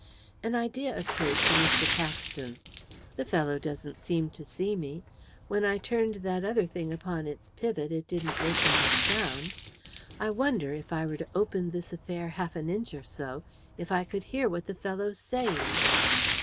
An idea occurred to Mr. Paxton. "The fellow doesn't seem to see me. When I turned that other thing upon its pivot it didn't make any sound. I wonder, if I were to open this affair half an inch or so, if I could hear what the fellow's saying?"